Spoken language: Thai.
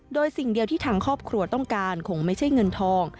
โดยสิ่งเดียวที่ทางครอบครัวต้องการคงไม่ใช่เงินทอง